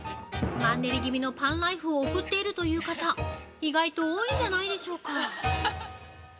マンネリ気味のパンライフを送っているという方、意外と多いんじゃないでしょうか。